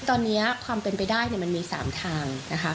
ตอนนี้ความเป็นไปได้มันมี๓ทางนะคะ